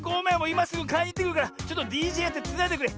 いますぐかいにいってくるからちょっとＤＪやってつないでてくれ。